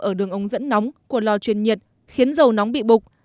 ở đường ống dẫn nóng của lò truyền nhiệt khiến dầu nóng bị bục